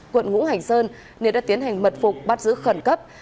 quận ngũ hành sơn nên đã tiến hành mật phục bắt giữ khẩn cấp